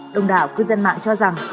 đồng đảo cư dân mạng cho rằng